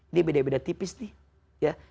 ini beda beda tipis nih